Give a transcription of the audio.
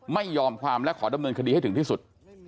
ไม่ยอมความและขอดำเนินคดีให้ถึงที่สุด